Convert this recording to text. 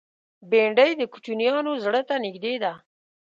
بېنډۍ د کوچنیانو زړه ته نږدې ده